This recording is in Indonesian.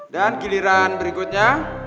dan giliran berikutnya